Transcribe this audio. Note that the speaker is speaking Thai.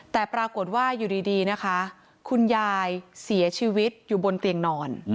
แต่ปรากฏว่าอยู่ดีนะคะคุณยายเสียชีวิตอยู่บนเตียงนอน